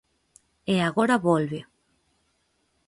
E agora volve.